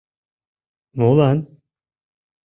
Молан?..»